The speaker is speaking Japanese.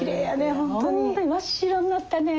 ほんとに真っ白になったね。